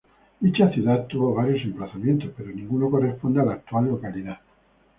Dicha ciudad tuvo varios emplazamientos, pero ninguno corresponde a la actual localidad.